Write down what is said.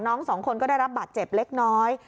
สองคนก็ได้รับบาดเจ็บเล็กน้อย